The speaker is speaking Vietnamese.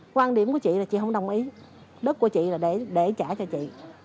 quan điểm của chị là chị không đồng ý đất của chị là để trả cho chị